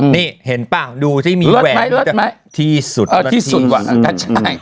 นี่เห็นเปล่าดูที่มีแหวนที่สุดที่สุดกว่ากันก็ใช่